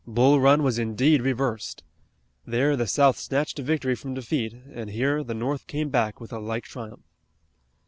Bull Run was indeed reversed. There the South snatched victory from defeat and here the North came back with a like triumph.